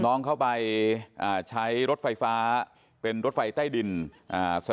น้องเข้าไปอ่าใช้รถไฟฟ้าเป็นรถไฟใต้ดินอ่า